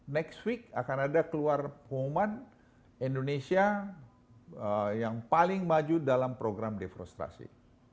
next week akan ada keluargoman indonesia yang paling maju dalam program defrostrasi